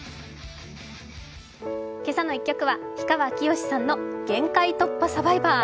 「けさの１曲」は氷川きよしさんの「限界突破×サバイバー」。